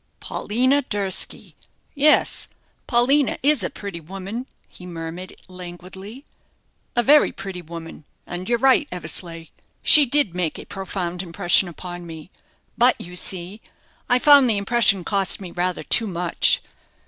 "Paulina Durski! Yes, Paulina is a pretty woman," he murmured, languidly; "a very pretty woman; and you're right, Eversleigh she did make a profound impression upon me. But, you see, I found the impression cost me rather too much.